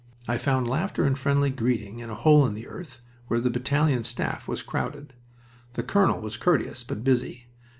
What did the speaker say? I found laughter and friendly greeting in a hole in the earth where the battalion staff was crowded. The colonel was courteous, but busy.